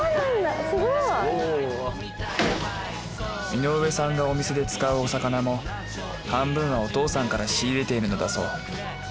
井上さんがお店で使うお魚も半分はお父さんから仕入れているのだそう。